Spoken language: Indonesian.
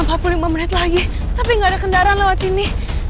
waktu ini empat puluh lima menit lagi tapi gak ada kendaraan lewat sini